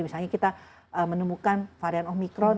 misalnya kita menemukan varian omikron